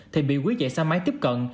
thì bị quý dạy xa máy tiếp cận